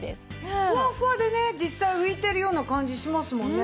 ふわふわでね実際浮いてるような感じしますもんね。